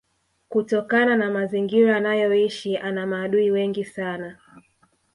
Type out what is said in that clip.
kutokana na mazingira anayoishi ana maadui wengi sana